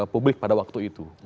publik pada waktu itu